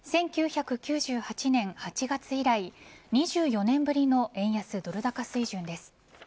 １９９８年８月以来２４年ぶりの円安ドル高水準です。